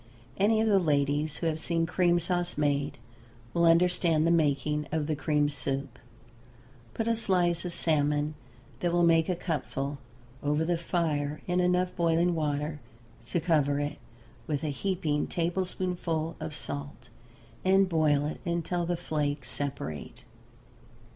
Any of the ladies who have seen cream sauce made will understand the making of the cream soup. Put a slice of salmon that will make a cupful, over the fire in enough boiling water to cover it, with a heaping tablespoonful of salt, and boil it until the flakes separate.